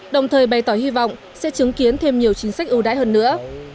đồng thời bày tỏ hy vọng sẽ chứng kiến thêm nhiều chính sách ưu đãi hơn nữa